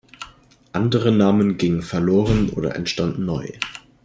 Andere Namen gingen verloren oder entstanden neu.